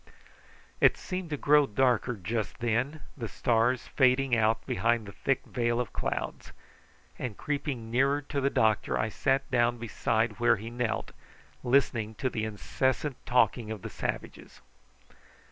It seemed to grow darker just then, the stars fading out behind a thick veil of clouds; and creeping nearer to the doctor I sat down beside where he knelt, listening to the incessant talking of the savages.